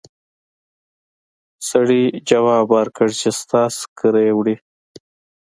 سړي ځواب ورکړ چې ستاسې کره يې وړي!